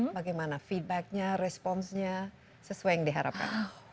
bagaimana feedback nya responsnya sesuai yang diharapkan